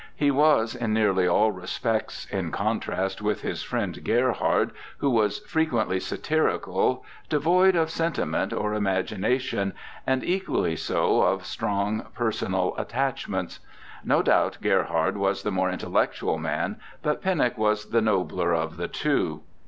He was in nearly all respects in contrast with his friend Gerhard, who was frequently satirical, devoid of sentiment or imagination, and equally so of strong personal attachments. No doubt Gerhard was the more intellectual man, but Pennock was the nobler of the two.